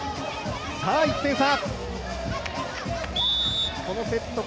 さあ１点差。